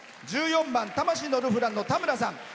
１４番「魂のルフラン」のたむらさん。